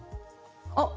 あっ！